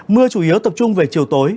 mưa chủ yếu tập trung về chiều tối